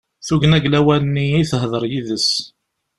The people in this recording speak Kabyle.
Tugna deg lawan-nni i tehder yid-s.